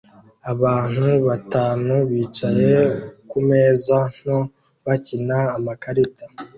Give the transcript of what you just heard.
Abantu batanu bicaye kumeza nto bakina amakarita